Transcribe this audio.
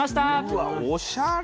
うわっおしゃれ！